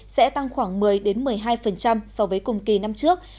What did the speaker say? sẽ tăng khoảng một mươi một mươi hai so với cùng kỳ năm trước